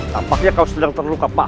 tampaknya kau sedang terluka parah